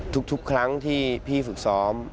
ทุกครั้งที่พี่ฝึกซ้อม